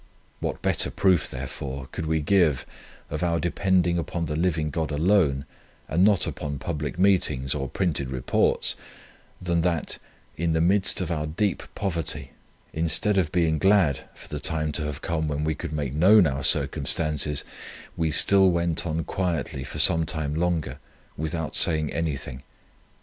What better proof, therefore, could we give of our depending upon the living God alone, and not upon public meetings or printed Reports, than that, in the midst of our deep poverty, instead of being glad for the time to have come when we could make known our circumstances, we still went on quietly for some time longer, without saying anything.